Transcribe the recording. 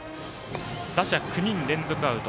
打者９人連続アウト。